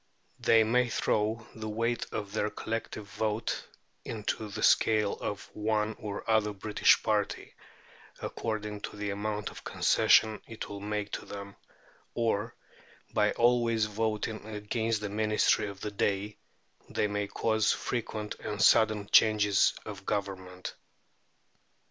They may throw the weight of their collective vote into the scale of one or other British party, according to the amount of concession it will make to them, or, by always voting against the Ministry of the day, they may cause frequent and sudden changes of Government.